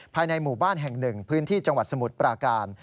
ภายในหมู่บ้านแห่งหนึ่งพื้นที่จังหวัดสมุทรปราการ